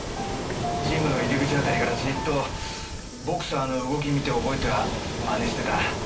ジムの入り口辺りからじーっとボクサーの動き見て覚えては真似してた。